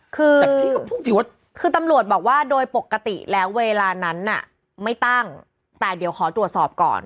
คือตำรวจบอกว่าโดยปกติแล้วเวลานั้นน่ะไม่ตั้งแต่เดี๋ยวขอตรวจสอบก่อน